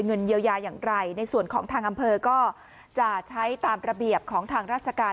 เงินเยียวยาอย่างไรในส่วนของทางอำเภอก็จะใช้ตามระเบียบของทางราชการ